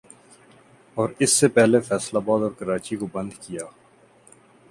اور اس سے پہلے فیصل آباد اور کراچی کو بند کیا